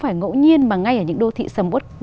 phải ngẫu nhiên mà ngay ở những đô thị sầm út